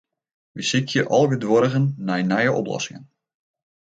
Wy sykje algeduerigen nei nije oplossingen.